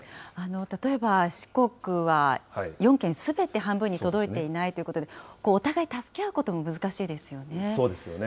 例えば、四国は４県すべて半分に届いていないということで、お互い助け合そうですよね。